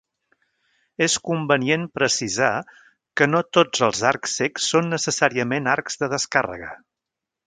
És convenient precisar que no tots els arcs cecs són necessàriament arcs de descàrrega.